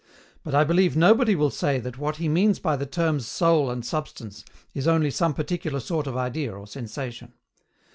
But I believe nobody will say that what he means by the terms soul and substance is only some particular sort of idea or sensation.